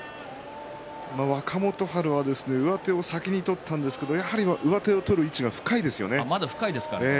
若元春は上手を先に取ったんですけど上手を取る位置が深いですよね。